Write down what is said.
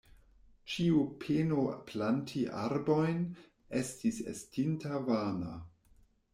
Ĉiu peno planti arbojn, estis estinta vana.